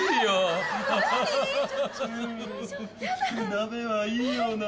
鍋はいいよな。